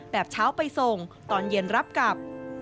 เช้าไปส่งตอนเย็นรับกลับ